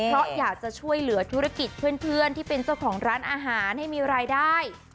เพราะอยากจะช่วยเหลือธุรกิจเพื่อนที่เป็นเจ้าของร้านอาหารให้มีรายได้